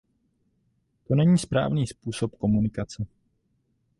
To není správný způsob komunikace.